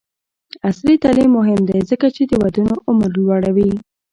عصري تعلیم مهم دی ځکه چې د ودونو عمر لوړوي.